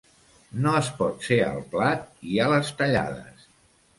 No es pot ser al plat i a les tallades.